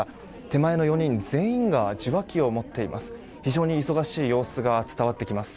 手前の４人全員が受話器を持っています。